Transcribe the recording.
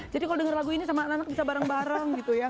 jadi kalo denger lagu ini sama anak anak bisa bareng bareng gitu ya